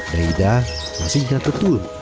daida masih ingat betul